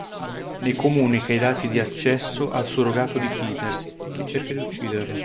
Ne comunica i dati di accesso al surrogato di Peters, che cerca di ucciderlo.